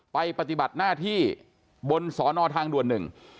ปฏิบัติหน้าที่บนสอนอทางด่วนหนึ่ง